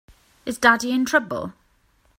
Is Daddy in trouble?